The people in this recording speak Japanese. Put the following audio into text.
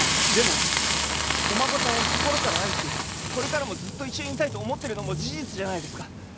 でもお孫さんを心から愛しこれからもずっと一緒にいたいと思ってるのも事実じゃないですか？